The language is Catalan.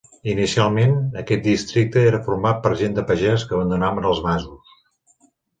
Inicialment, aquest districte era format per gent de pagès que abandonaven els masos.